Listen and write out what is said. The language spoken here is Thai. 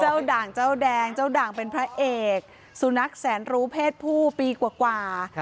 ด่างเจ้าแดงเจ้าด่างเป็นพระเอกสุนัขแสนรู้เพศผู้ปีกว่า